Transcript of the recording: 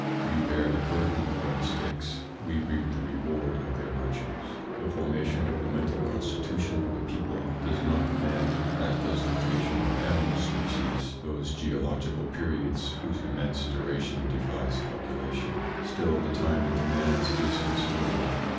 We bear the burden of their mistakes, we reap the reward of their virtues. The formation of the mental constitution of a people does not demand, as does the creation of animal species, those geological periods whose immense duration defies calculation. Still, the time it demands is considerable.